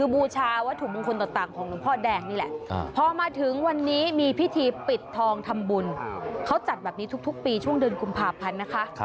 บูชาวัตถุมงคลต่างของหลวงพ่อแดงนี่แหละพอมาถึงวันนี้มีพิธีปิดทองทำบุญเขาจัดแบบนี้ทุกปีช่วงเดือนกุมภาพันธ์นะคะ